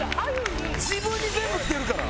自分に全部来てるから。